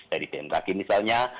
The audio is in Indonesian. dari bmkg misalnya